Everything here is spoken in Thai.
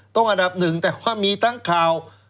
อันดับหนึ่งแต่ว่ามีทั้งข่าว